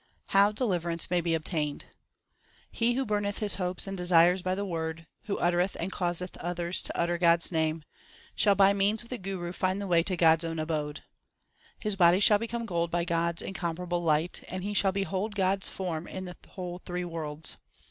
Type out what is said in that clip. How deliverance may be obtained : He who burneth his hopes and desires by the Word, Who uttereth and causeth others to utter God s name, Shall by means of the Guru find the way to God s own abode. His body shall become gold by God s incomparable light, And he shall behold God s form in the whole three worlds.